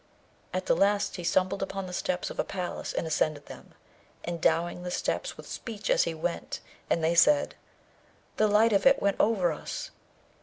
At the last he stumbled upon the steps of a palace, and ascended them, endowing the steps with speech as he went, and they said, 'The light of it went over us.'